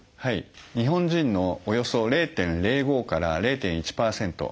日本人のおよそ０．０５から０．１％